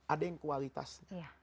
ada yang kualitas